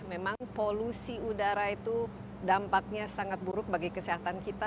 memang polusi udara itu dampaknya sangat buruk bagi kesehatan kita